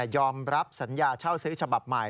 อมรับสัญญาเช่าซื้อฉบับใหม่